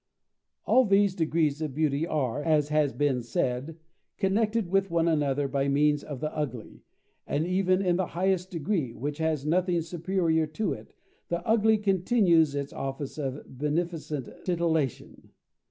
All these degrees of beauty are, as has been said, connected with one another by means of the ugly, and even in the highest degree, which has nothing superior to it, the ugly continues its office of beneficent titillation.